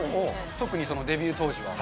特にデビュー当時は。